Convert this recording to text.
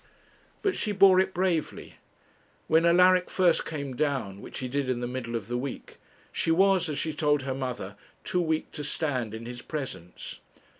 But she bore it bravely. When Alaric first came down, which he did in the middle of the week, she was, as she told her mother, too weak to stand in his presence.